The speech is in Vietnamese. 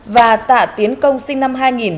và tạ tiến công sinh năm hai nghìn